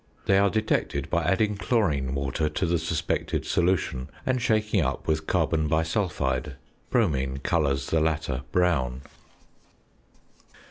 They are detected by adding chlorine water to the suspected solution and shaking up with carbon bisulphide. Bromine colours the latter brown.